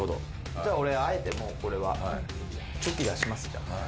じゃあ俺あえてもうこれはチョキ出します。